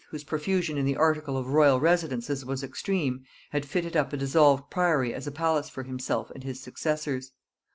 whose profusion in the article of royal residences was extreme, had fitted up a dissolved priory as a palace for himself and his successors.